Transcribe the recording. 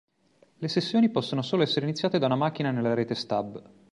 Le sessioni possono solo essere iniziate da una macchina nella rete stub.